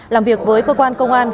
làm việc với cơ quan công an